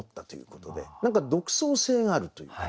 何か独創性があるというのかな。